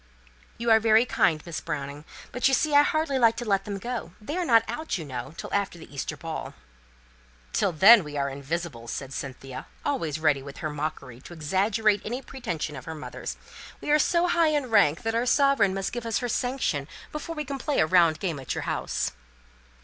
"You are very kind, Miss Browning, but, you see, I hardly like to let them go they are not out, you know, till after the Easter ball." "Till when we are invisible," said Cynthia, always ready with her mockery to exaggerate any pretension of her mother's. "We are so high in rank that our sovereign must give us her sanction before we can play a round game at your house."